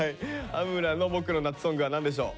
羽村の「ボクの夏ソング」は何でしょう？